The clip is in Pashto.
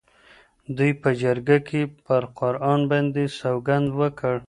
دوی په جرګه کې پر قرآن باندې سوګند وکړ.